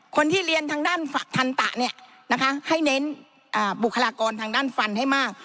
คนที่เรียนทางด้านทันตะเนี่ยนะคะให้เน้นบุคลากรทางด้านฟันให้มาก